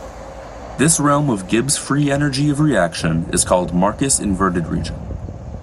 This realm of Gibbs free energy of reaction is called "Marcus inverted region".